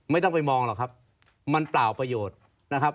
ไม่ต้องไปมองหรอกครับมันเปล่าประโยชน์นะครับ